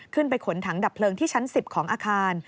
ขึ้นไปขนถังดับเพลิงที่ชั้น๑๐ของอาคาร